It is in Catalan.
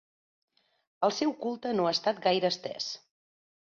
El seu culte no ha estat gaire estès.